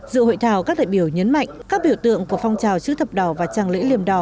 dự hội thảo các đại biểu nhấn mạnh các biểu tượng của phong trào chữ thập đỏ và tràng lễ liềm đỏ